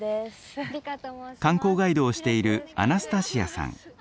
観光ガイドをしているアナスタシアさん。